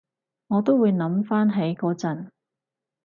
都會諗返起嗰陣